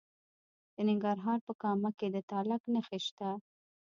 د ننګرهار په کامه کې د تالک نښې شته.